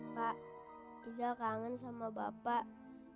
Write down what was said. pak izal kangen sama bapak